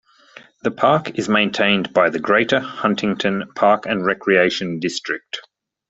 The park is maintained by the Greater Huntington Park and Recreation District.